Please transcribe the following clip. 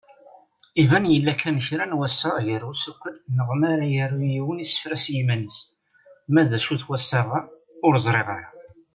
Iban yella kan kra n wassaɣ gar usuqel neɣ mara yaru yiwen isefra s yiman-is, ma d acu-t wassaɣ-a, ur ẓriɣ ara.